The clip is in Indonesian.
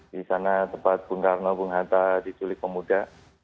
di sana tempat bunda arno bung hanta diculik pemuda